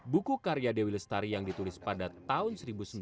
buku karya dewi lestari yang ditulis pada tahun seribu sembilan ratus sembilan puluh